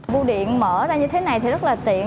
bu điện mở ra như thế này thì rất là tiện